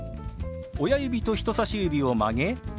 親指と人さし指を曲げ